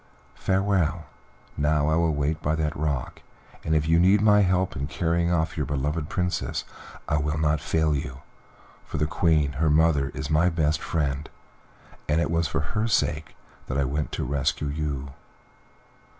Farewell; now I will wait by that rock, and if you need my help in carrying off your beloved Princess I will not fail you, for the Queen, her mother, is my best friend, and it was for her sake that I went to rescue you."